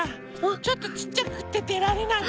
ちょっとちっちゃくってでられないの。